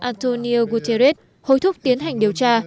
antonio guterres hối thúc tiến hành điều tra